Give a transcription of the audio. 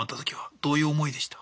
どういう思いでした？